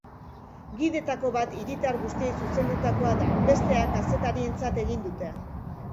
Gidetako bat hiritar guztiei zuzendutakoa da, bestea kazetarientzat egin dute.